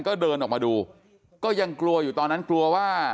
ก็เดินออกมาดูก็ยังกลัวอยู่ตอนนั้นกลัวว่า